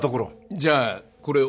じゃあこれを